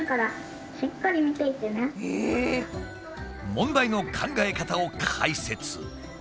問題の考え方を解説。